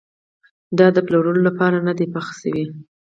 دا د پلورلو لپاره نه ده پخه شوې.